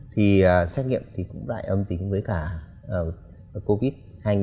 thì xét nghiệm cũng lại âm tính với cả covid một mươi chín